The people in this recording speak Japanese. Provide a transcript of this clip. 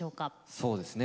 そうですね